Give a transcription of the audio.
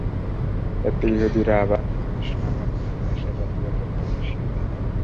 এতে ইহুদীরা আবার হাশীশ নামক নেশা জাতীয় দ্রব্য মিশিয়ে দেয়।